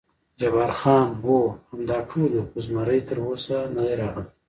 جبار خان: هو، همدا ټول یو، خو زمري تراوسه نه دی راغلی.